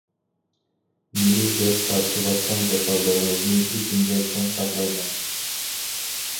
مېنى دەپ تارتىۋاتقان جاپالىرىڭىزنى ئېسىمدە چىڭ ساقلايمەن.